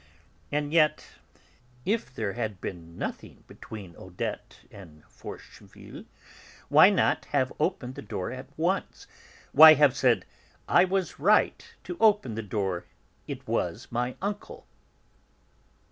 And yet, if there had been nothing between Odette and Forcheville, why not have opened the door at once, why have said, "I was right to open the door; it was my uncle."